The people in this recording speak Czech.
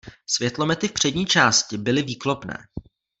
Světlomety v přední části byly výklopné.